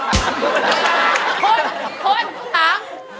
โทษถาม